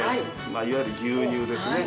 いわゆる牛乳ですね。